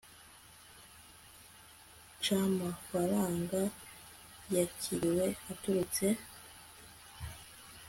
c amafaranga yakiriwe aturutse